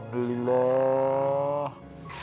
emang belum rejeki kita punya anak